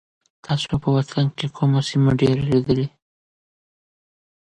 تاسو په وطن کي کومه سیمه ډېره لیدلې؟